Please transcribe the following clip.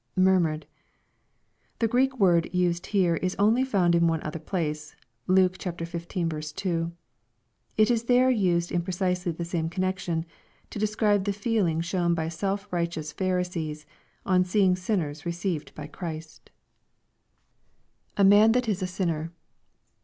[Murmured^ The Greek word used here is only found in one other place. (Luke xv. 2.) It is there used in precisely the same connection, to describe the feeling shown by seli righteoTis Phari oees, on seeing sinners received bv Christ 296 EXPOSITORY THOUGHTS. [A man that is a sinner.'